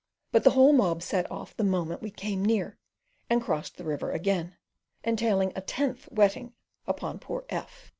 But the whole mob set off the moment we came near, and crossed the river again, entailing a tenth wetting upon poor F